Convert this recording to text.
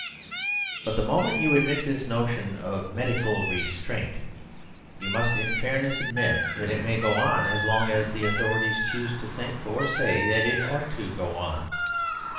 But the moment you admit this notion of medical restraint, you must in fairness admit that it may go on as long as the authorities choose to think (or say) that it ought to go on.